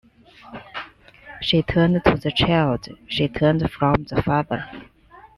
She turned to the child; she turned from the father.